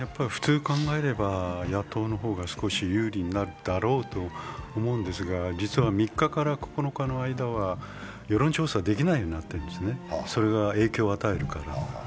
普通考えれば、野党の方が少し有利になるだろうと思うんですが、実際は３日から９日の間は世論調査できないようになっているんですね、それが影響を与えるから。